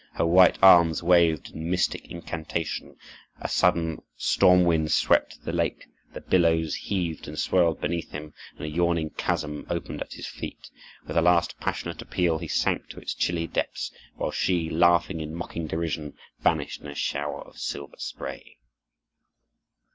Her white arms waved in mystic incantation, a sudden storm wind swept the lake, the billows heaved and swirled beneath him, and a yawning chasm opened at his feet. With a last passionate appeal he sank to its chilly depths, while she, laughing in mocking derision, vanished in a shower of silver spray.